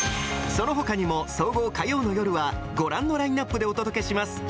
そのほかにも総合火曜の夜は、ご覧のラインナップでお届けします。